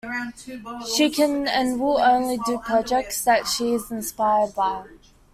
She can and will only do projects that she is inspired by.